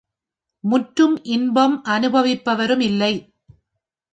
முற்றும் இன்பம் அநுபவிப்பரும் இல்லை.